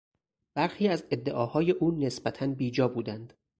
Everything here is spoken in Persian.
برخی از ادعاهای او نسبتا بیجا بودند.